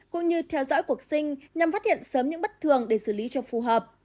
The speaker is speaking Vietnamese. cũng như theo dõi cuộc sinh nhằm phát hiện sớm những bất thường để xử lý cho phù hợp